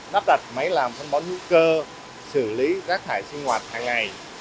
đắp đặt máy làm sân bón hữu cơ xử lý rác thải sinh hoạt hàng ngày